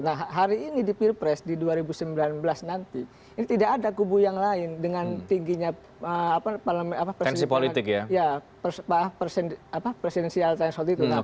nah hari ini di pilpres di dua ribu sembilan belas nanti ini tidak ada kubu yang lain dengan tingginya presidensial threshold itu